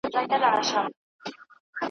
چي به کله ښکاري باز پر را ښکاره سو `